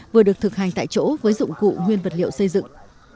vừa được thực hành tại chỗ với dụng cụ nguyên vật liệu xây dựng